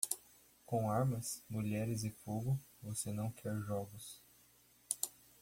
Com armas, mulheres e fogo, você não quer jogos.